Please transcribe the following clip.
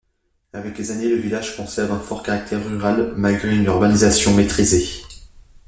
Avec les années, le village conserve un fort caractère rural malgré une urbanisation maitrisée.